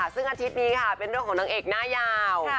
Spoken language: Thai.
ซึ่งอาทิตย์นี้ค่ะเป็นเรื่องของนางเอกหน้ายาว